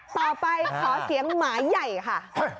ต่อไปขอเสียงหมาใหญ่ค่ะ